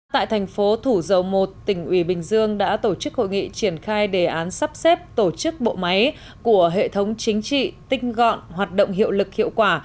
tại thành phố thủ dầu một tỉnh ủy bình dương đã tổ chức hội nghị triển khai đề án sắp xếp tổ chức bộ máy của hệ thống chính trị tinh gọn hoạt động hiệu lực hiệu quả